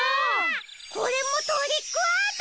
これもトリックアート！？